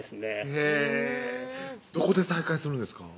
へぇどこで再会するんですか？